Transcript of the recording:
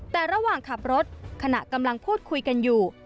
แต่ระหว่างขับรถขณะกำลังพูดคุยกันอยู่